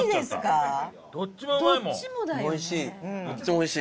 おいしい。